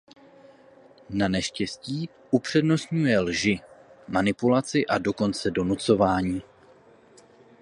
Naneštěstí upřednostňuje lži, manipulaci a dokonce donucování.